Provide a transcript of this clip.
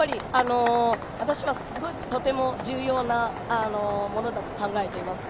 私はとても重要なものだと考えていますね。